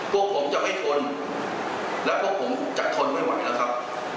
พวกผมจะไม่ทนแล้วพวกผมจะทนไม่ไหวแล้วครับ